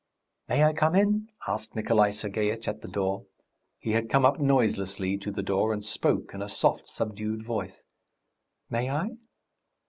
"May I come in?" asked Nikolay Sergeitch at the door; he had come up noiselessly to the door, and spoke in a soft, subdued voice. "May I?"